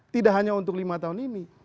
tidak hanya untuk lima tahun ini